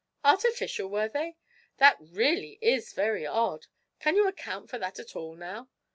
'Artificial, were they? that really is very odd! Can you account for that at all, now?'